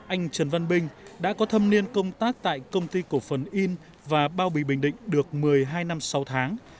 anh trần văn bình đã có thâm niên công tác tại công ty cổ phần in và bao bì bình định được một mươi hai năm sáu tháng